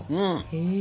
へえ。